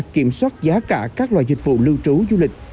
kiểm soát giá cả các loại dịch vụ lưu trú du lịch